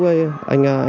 với anh nguyễn văn đại